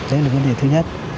đấy là vấn đề thứ nhất